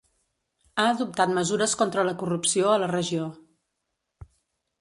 Ha adoptat mesures contra la corrupció a la regió.